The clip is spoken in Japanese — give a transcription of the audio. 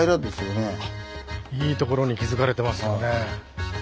いいところに気付かれてますよね。